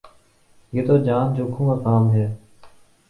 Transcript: یہ تو جان جوکھوں کا کام ہے